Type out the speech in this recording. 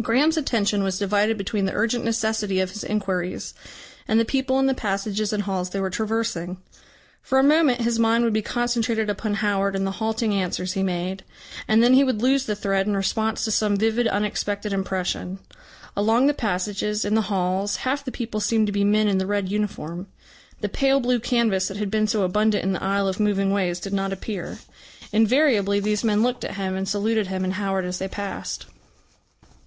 Graham's attention was divided between the urgent necessity of his inquiries and the people in the passages and halls they were traversing. For a moment his mind would be concentrated upon Howard and the halting answers he made, and then he would lose the thread in response to some vivid unexpected impression. Along the passages, in the halls, half the people seemed to be men in the red uniform. The pale blue canvas that had been so abundant in the aisle of moving ways did not appear. Invariably these men looked at him, and saluted him and Howard as they passed.